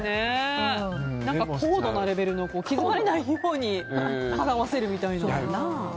高度なレベルの気づかれないように払わせるみたいな。